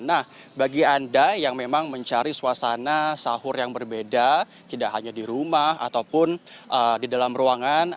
nah bagi anda yang memang mencari suasana sahur yang berbeda tidak hanya di rumah ataupun di dalam ruangan